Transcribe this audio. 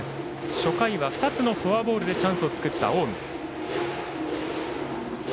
初回は２つのフォアボールでチャンスを作った。